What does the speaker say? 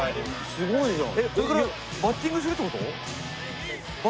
すごいじゃん。